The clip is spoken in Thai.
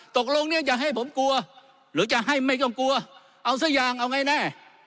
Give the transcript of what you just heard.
ตกลงเนี้ยจะให้ผมกลัวหรือจะให้ไม่กลัวกลัวเอาซะอย่างเอาไงแน่